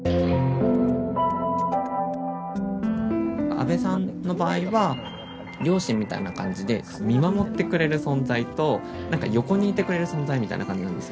阿部さんの場合は両親みたいな感じで見守ってくれる存在と横にいてくれる存在みたいな感じなんです。